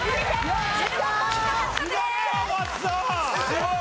すごい！